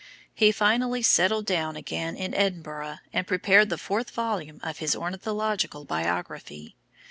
He finally settled down again in Edinburgh and prepared the fourth volume of his "Ornithological Biography."